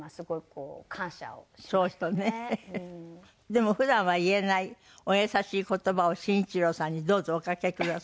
でも普段は言えないお優しい言葉を伸一郎さんにどうぞおかけください。